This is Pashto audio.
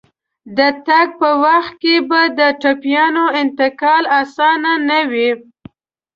د تګ په وخت کې به د ټپيانو انتقال اسانه نه وي.